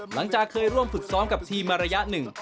หลังจากเคยร่วมฝึกซ้อมกับทีมมาระยะหนึ่ง